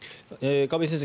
亀井先生